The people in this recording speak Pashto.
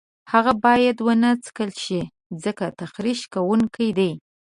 هغه باید ونه څکل شي ځکه تخریش کوونکي دي.